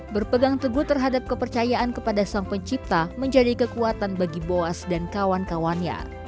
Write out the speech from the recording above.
berpegang teguh terhadap kepercayaan kepada sang pencipta menjadi kekuatan bagi boas dan kawan kawannya